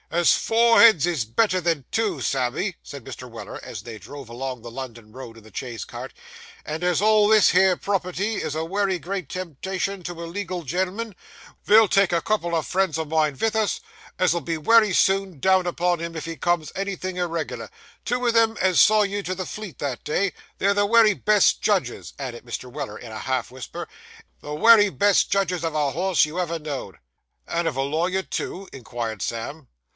'As four heads is better than two, Sammy,' said Mr. Weller, as they drove along the London Road in the chaise cart, 'and as all this here property is a wery great temptation to a legal gen'l'm'n, ve'll take a couple o' friends o' mine vith us, as'll be wery soon down upon him if he comes anythin' irreg'lar; two o' them as saw you to the Fleet that day. They're the wery best judges,' added Mr. Weller, in a half whisper 'the wery best judges of a horse, you ever know'd.' 'And of a lawyer too?' inquired Sam.